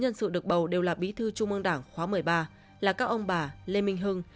nhân sự được bầu đều là bí thư trung ương đảng khóa một mươi ba là các ông bà lê minh hưng